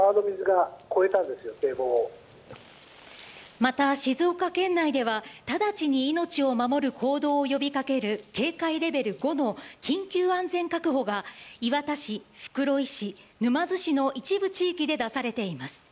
また、静岡県内ではただちに命を守る行動を呼びかける警戒レベル５の緊急安全確保が磐田市、袋井市、沼津市の一部地域で出されています。